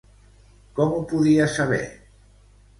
Com ho podia saber?